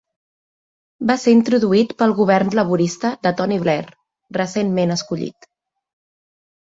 Va ser introduït pel Govern laborista de Tony Blair, recentment escollit.